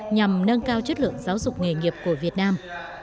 nhằm nâng cao chất lượng giáo dục nghề nghiệp của việt nam